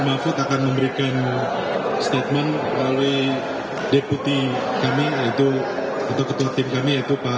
mafut akan memberikan statement oleh deputi kami itu ketua tim kami itu pak